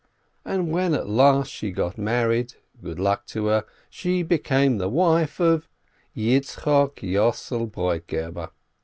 .. and when at last she got married (good luck to her !), she became the wife of Yitzchok Yossel Broit geber!